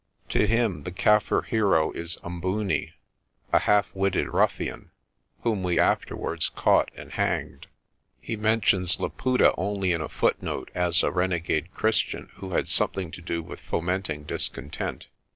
To him the Kaffir hero is Umbooni, a half witted ruffian, whom we afterwards caught and hanged. He mentions Laputa only in a footnote as a renegade Chris tian who had something to do with fomenting discontent.